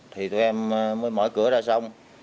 thì tụi em mới mở cửa ra xong